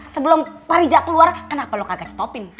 sebelum pak rija keluar kenapa lu kagak stop in